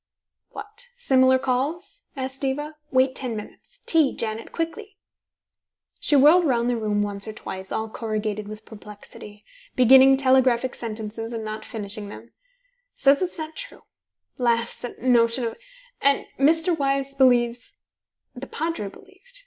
"What? Similar calls?" asked Diva. "Wait ten minutes. Tea, Janet. Quickly." She whirled round the room once or twice, all corrugated with perplexity, beginning telegraphic sentences, and not finishing them: "Says it's not true laughs at notion of And Mr. Wyse believes The Padre believed.